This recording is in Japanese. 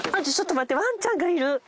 ちょっと待ってワンちゃんがいる！